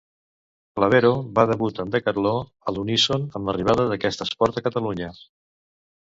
Clavero va debut en decatló a l'uníson amb l'arribada d'aquest esport a Catalunya.